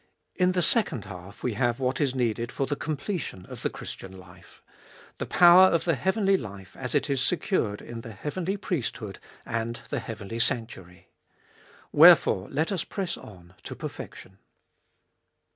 In the second half we have what is needed for the com pletion of the Christian life ; the power of the heavenly life as it is secured in the heavenly priest hood and the heavenly sanctuary. Wherefore, let us press on to perfection.